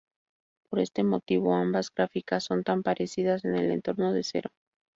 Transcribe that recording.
Por este motivo ambas gráficas son tan parecidas en el entorno de cero.